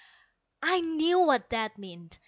_ I knew what that meant.